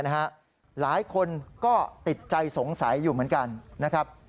หลายคนก็ติดใจสงสัยอยู่เหมือนกันนะครับ